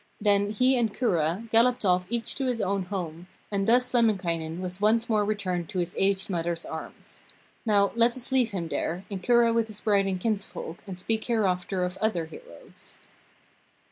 Then he and Kura galloped off each to his own home, and thus Lemminkainen was once more returned to his aged mother's arms. Now let us leave him there, and Kura with his bride and kinsfolk, and speak hereafter of other heroes.